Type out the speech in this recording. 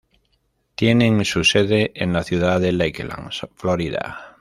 Tienen su sede en la ciudad de Lakeland, Florida.